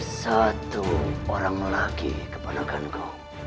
ini satu orang lagi ke manakanku